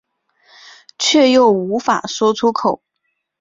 却又无法说出口